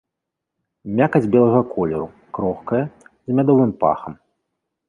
Мякаць белага колеру, крохкая, з мядовым пахам.